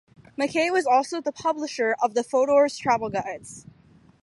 McKay was also the publisher of the Fodor's travel guides.